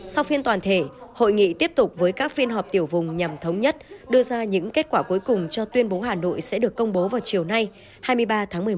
sau phiên toàn thể hội nghị tiếp tục với các phiên họp tiểu vùng nhằm thống nhất đưa ra những kết quả cuối cùng cho tuyên bố hà nội sẽ được công bố vào chiều nay hai mươi ba tháng một mươi một